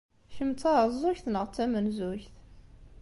Kemm d taɛeẓẓugt neɣ d tamenzugt?